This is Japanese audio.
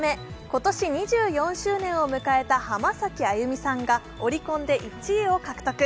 今年２４周年を迎えた浜崎あゆみさんがオリコンで１位を獲得。